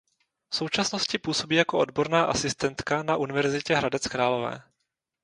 V současnosti působí jako odborná asistentka na Univerzitě Hradec Králové.